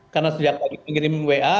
karena sejak tadi mengirim wa